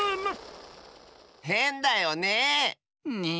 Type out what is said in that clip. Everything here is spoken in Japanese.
へんだよね。